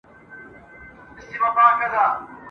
داسي ښکاري چي بېلېږي د ژوند لاره ..